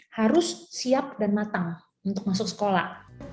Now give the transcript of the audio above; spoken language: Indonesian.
harus siap dan matang untuk masuk sekolah